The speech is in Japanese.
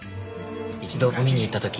一度飲みに行った時。